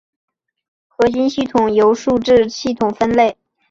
合金系统由数字系统分类。